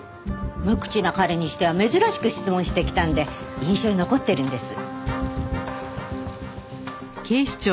無口な彼にしては珍しく質問してきたんで印象に残ってるんです。